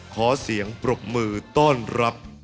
ขอเสียงปรบมือต้อนรับ